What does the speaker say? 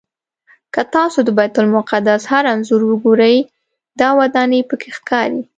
که تاسو د بیت المقدس هر انځور وګورئ دا ودانۍ پکې ښکاري.